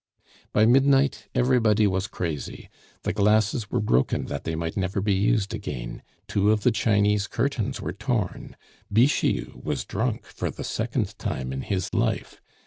By midnight everybody was crazy. The glasses were broken that they might never be used again; two of the Chinese curtains were torn; Bixiou was drunk, for the second time in his life.